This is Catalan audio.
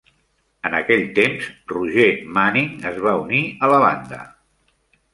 En aquell temps, Roger Manning es va unir a la banda.